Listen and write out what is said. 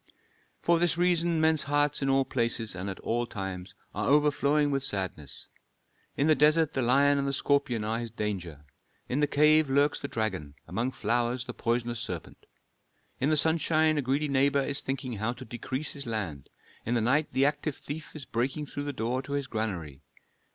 "For this reason men's hearts in all places and at all times are overflowing with sadness. In the desert the lion and the scorpion are his danger, in the cave lurks the dragon, among flowers the poisonous serpent. In the sunshine a greedy neighbor is thinking how to decrease his land, in the night the active thief is breaking through the door to his granary.